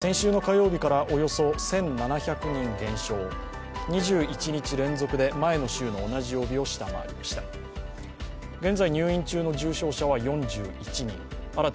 先週の火曜日からおよそ１７００人減少、２１日連続で前の週の同じ曜日を下回りました。